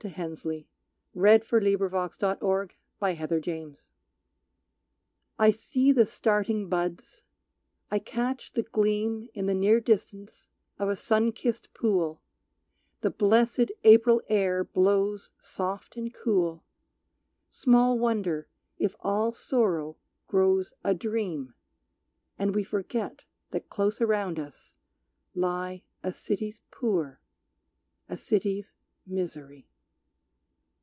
Ah! let me dream For there are no stars. Revulsion. I see the starting buds, I catch the gleam In the near distance of a sun kissed pool, The blessed April air blows soft and cool, Small wonder if all sorrow grows a dream, And we forget that close around us lie A city's poor, a city's misery.